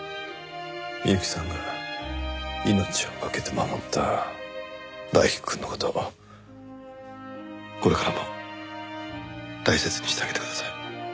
美由紀さんが命をかけて守った大樹くんの事これからも大切にしてあげてください。